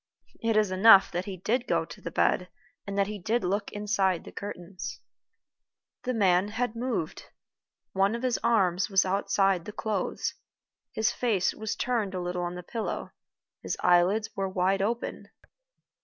It is enough that he did go to the bed, and that he did look inside the curtains. The man had moved. One of his arms was outside the clothes; his face was turned a little on the pillow; his eyelids were wide open.